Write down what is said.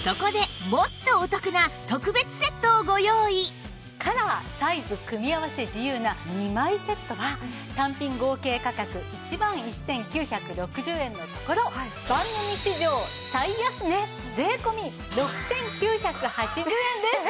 そこでもっとカラー・サイズ組み合わせ自由な２枚セットは単品合計価格１万１９６０円のところ番組史上最安値税込６９８０円です。